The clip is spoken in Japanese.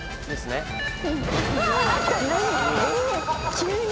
急に。